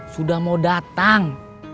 sudah mau datang